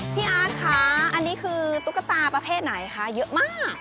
พี่อาร์ตค่ะอันนี้คือตุ๊กตาประเภทไหนคะเยอะมาก